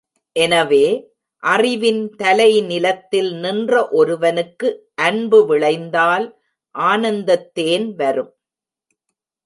எனவே, அறிவின் தலைநிலத்தில் நின்ற ஒருவனுக்கு அன்பு விளைந்தால் ஆனந்தத் தேன் வரும்.